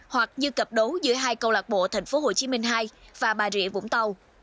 hoặc như cặp đấu giữa hai câu lạc bộ tp hcm hai và bà rịa vũng tàu